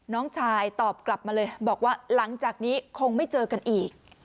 น้องชายตอบกลับมาเลยบอกว่าหลังจากนี้คงไม่เจอกันอีก